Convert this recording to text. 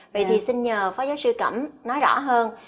vậy thì xin nhờ phó giáo sư cẩm nói rõ hơn